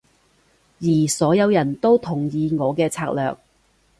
而所有人都同意我嘅策略